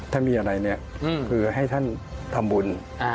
ถ้ามีอะไรเนี่ยคือให้ท่านทำบุญ